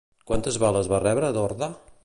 Quantes bales va rebre Dorda?